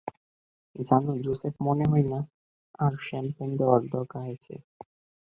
জানো, জোসেফ, মনে হয় না আর শ্যাম্পেন দেওয়ার দরকার আছে।